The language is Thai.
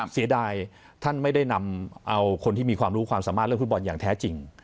เสียดายท่านไม่ได้นำเอาคนที่มีความรู้ความสามารถเรื่องฟุตบอลอย่างแท้จริง